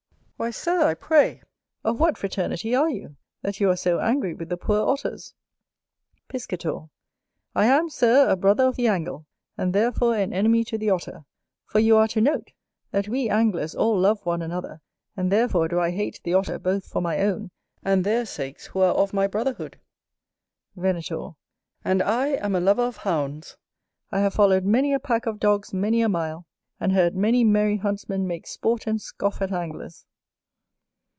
Why, Sir, I pray, of what fraternity are you, that you are so angry with the poor Otters? Piscator. I am, Sir, a Brother of the Angle, and therefore an enemy to the Otter: for you are to note, that we Anglers all love one another, and therefore do I hate the Otter both for my own, and their sakes who are of my brotherhood. Venator. And I am a lover of Hounds; I have followed many a pack of dogs many a mile, and heard many merry Huntsmen make sport and scoff at Anglers.